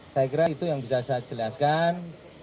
hai segera itu yang bisa saya jelaskan